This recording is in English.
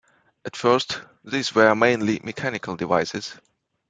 At first these were mainly mechanical devices.